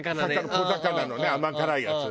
小魚のね甘辛いやつ。